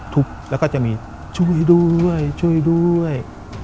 ทุบแล้วก็จะมีช่วยด้วยช่วยด้วย